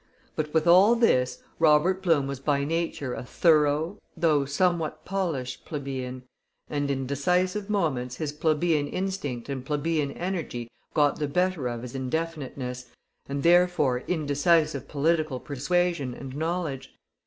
But with all this Robert Blum was by nature a thorough, though somewhat polished, plebeian, and in decisive moments his plebeian instinct and plebeian energy got the better of his indefiniteness, and, therefore, indecisive political persuasion and knowledge.